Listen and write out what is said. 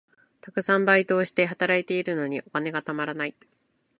たくさんバイトをして、働いているのにお金がたまらない。